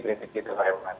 itu sih berarti